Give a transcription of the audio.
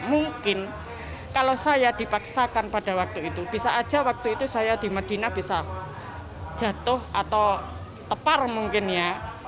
mungkin kalau saya dipaksakan pada waktu itu bisa aja waktu itu saya di medina bisa jatuh atau tepar mungkin ya